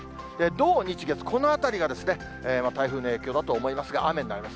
土日月、このあたりが台風の影響だと思いますが、雨になります。